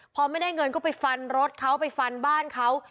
พอไม่ได้เงินก็ไปฟันรถเขาไปฟันบ้านเขา